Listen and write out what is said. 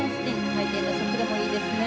回転の速度もいいですね。